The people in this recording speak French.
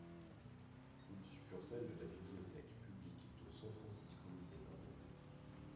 Une succursale de la Bibliothèque publique de San Francisco y est implantée.